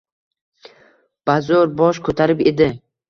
Bazo’r bosh ko’tarib edi.